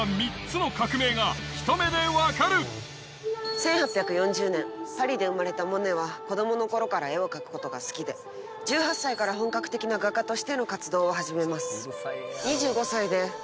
１８４０年パリで生まれたモネは子供の頃から絵を描くことが好きで１８歳から本格的な画家としての活動を始めます。